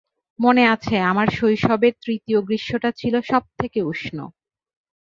মনে আছে আমার শৈশবের তৃতীয় গ্রীষ্মটা ছিল সবথেকে উষ্ণ।